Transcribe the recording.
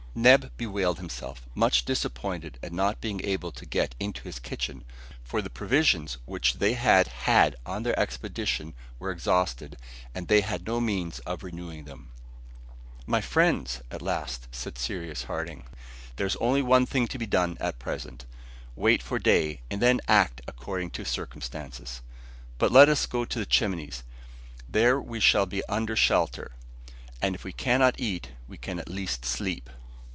Neb bewailed himself, much disappointed at not being able to get into his kitchen, for the provisions which they had had on their expedition were exhausted, and they had no means of renewing them. "My friends," at last said Cyrus Harding, "there is only one thing to be done at present, wait for day, and then act according to circumstances. But let us go to the Chimneys. There we shall be under shelter, and if we cannot eat, we can at least sleep."